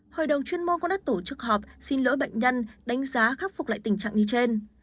hội đồng chuyên môn cũng đã tổ chức họp xin lỗi bệnh nhân đánh giá khắc phục lại tình trạng như trên